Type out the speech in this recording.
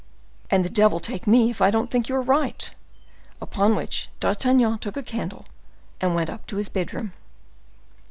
"And devil take me if I don't think you are right!" Upon which D'Artagnan took a candle and went up to his bedroom.